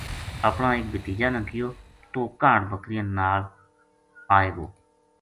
اپنا ایک بھتیجا نا کہیو تو ہ کاہڈ بکریاں نال آئے گو